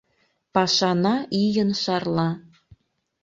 Пашана ийын шарла.